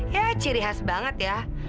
ya ciri khas banget ya